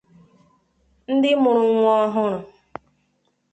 ndị mụrụ nwa ọhụrụ